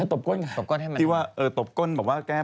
มีข่าวอย่างนี้ที่ว่าตบก้นใช่ไหม